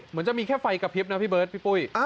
เหมือนจะมีแค่ไฟกระพริบนะพี่เบิร์ดพี่ปุ้ย